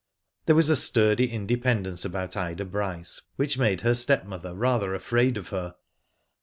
There was a sturdy independence about Ida Bryce which made her stepmother rather afraid of her.